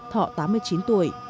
họ tám mươi chín tuổi